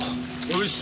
よし。